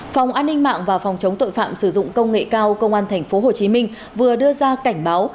phòng an ninh mạng và phòng chống tội phạm sử dụng công nghệ cao công an tp hcm vừa đưa ra cảnh báo